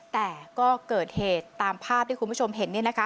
แต่ก็เกิดเหตุตามภาพที่คุณผู้ชมเห็นเนี่ยนะคะ